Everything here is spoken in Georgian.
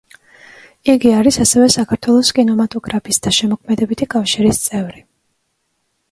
იგი არის ასევე საქართველოს კინემატოგრაფისტთა შემოქმედებითი კავშირის წევრი.